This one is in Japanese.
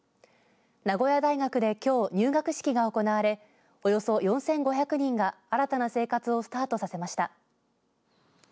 名古屋大学できょう入学式が行われおよそ４５００人が新たな生活をスタートさせました。